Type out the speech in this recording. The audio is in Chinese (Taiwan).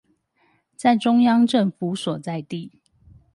在中央政府所在地